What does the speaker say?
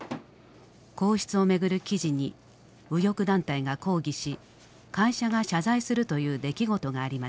皇室を巡る記事に右翼団体が抗議し会社が謝罪するという出来事がありました。